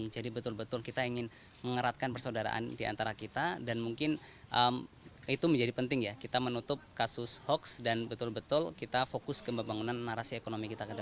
jadi betul betul kita ingin mengeratkan persaudaraan diantara kita dan mungkin itu menjadi penting ya kita menutup kasus hoax dan betul betul kita fokus ke pembangunan narasi ekonomi kita kedepan